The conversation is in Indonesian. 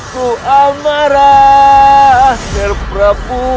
ku amarah nger prabu